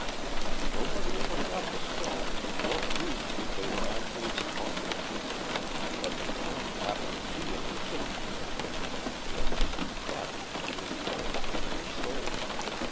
Nobody ever got the stones or proved that they were actually smuggled but the count happened to be on the ship at the time, just as he 'happened' to be in Paris when they were sold.